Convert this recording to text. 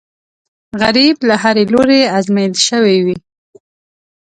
غریب له هرې لورې ازمېیل شوی وي